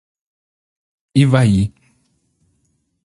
Ivaí